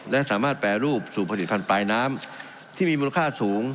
และสามารถแปรรูปสู่ผลิตภัณฑ์ปลายน้ำที่มีมูลค่าสูง